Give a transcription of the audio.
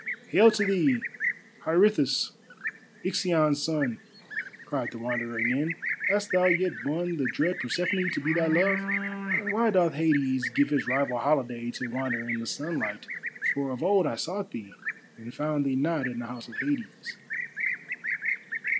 "Hail to thee, Pirithous, Ixion's son," cried the Wanderer again. "Hast thou yet won the dread Persephone to be thy love? And why doth Hades give his rival holiday to wander in the sunlight, for of old I sought thee, and found thee not in the House of Hades."